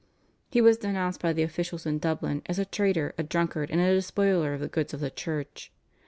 He was denounced by the officials in Dublin as a traitor, a drunkard, and a despoiler of the goods of the Church.